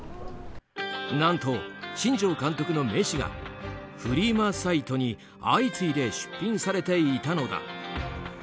何と、新庄監督の名刺がフリマサイトに相次いで出品されていたのだ。